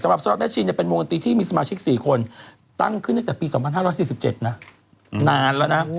สำหรับแม่ชินเป็นวงดนตรีที่มีสมาชิก๔คนตั้งขึ้นตั้งแต่ปี๒๕๔๗นะนานแล้วนะ